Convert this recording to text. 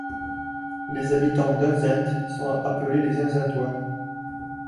Les habitants d'Unzent sont appelés les Unzentois.